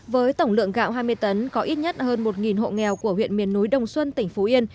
với tổng lượng gạo hai mươi tấn có ít nhất hơn một hộ nghèo của huyện miền núi đồng xuân tỉnh phú yên